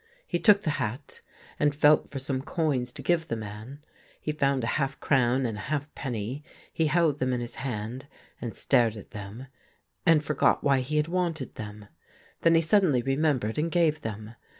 He took the hat, and felt for some coins to give the man. He found a half crown and a half penny ; he held them in his hand, and stared at them, and forgot why he had wanted them. Then he suddenly remembered and gave them.